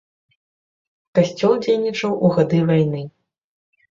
Касцёл дзейнічаў у гады вайны.